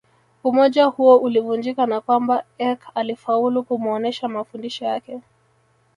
Umoja huo ulivunjika na kwamba Eck alifaulu kumuonesha mafundisho yake